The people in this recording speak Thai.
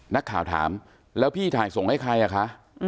นักข่าวถามแล้วพี่ถ่ายส่งให้ใครอ่ะคะ